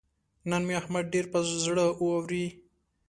نن مې احمد ډېر پر زړه اوري.